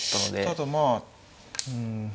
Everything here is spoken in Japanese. ただまあうん